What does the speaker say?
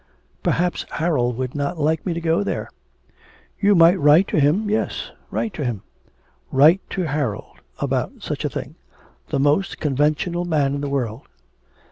'Perhaps Harold would not like me to go there.' 'You might write to him. Yes, write to him.' 'Write to Harold about such a thing the most conventional man in the world!'